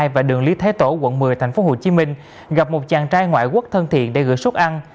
và đường lý thái tổ quận một mươi tp hcm gặp một chàng trai ngoại quốc thân thiện để gửi suất ăn